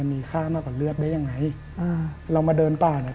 มีค่ามากกว่าเลือดได้ยังไงอ่าเรามาเดินป่าเนี้ย